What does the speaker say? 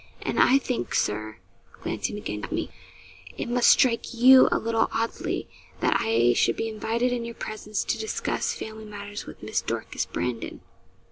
And I think, Sir (glancing again at me), it must strike you a little oddly, that I should be invited, in your presence, to discuss family matters with Miss Dorcas Brandon?'